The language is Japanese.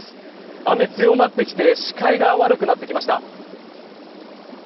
雨が強まってきて視界が悪くなってきました。